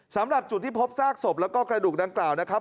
สำหรับจุดที่พบซากศพแล้วก็กระดูกดังกล่าวนะครับ